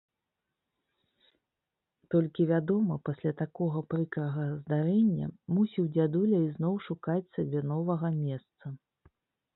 Толькі, вядома, пасля такога прыкрага здарэння мусіў дзядуля ізноў шукаць сабе новага месца.